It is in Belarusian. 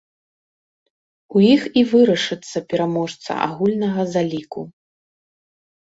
У іх і вырашыцца пераможца агульнага заліку.